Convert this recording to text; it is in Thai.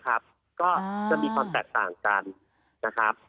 ก็จะมีความแตกต่างกันนะครับ